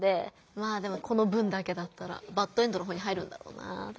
まあでもこの文だけだったらバッドエンドの方に入るんだろうな。